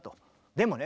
でもね